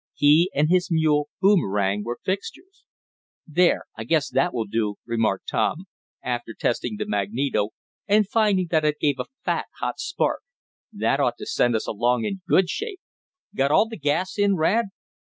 He and his mule Boomerang were fixtures. "There, I guess that will do," remarked Tom, after testing the magneto, and finding that it gave a fat, hot spark. "That ought to send us along in good shape. Got all the gas in, Rad?"